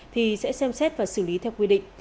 thì sẽ xem xét và xử lý theo quy định